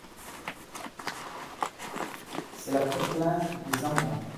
C’est la complainte des amants.